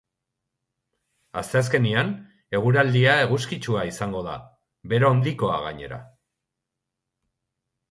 Asteazkenean eguraldia eguzkitsua izango da, bero handikoa gainera.